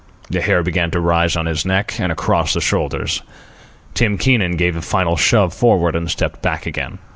The hair began to rise on his neck and across the shoulders. Tim Keenan gave a final shove forward and stepped back again.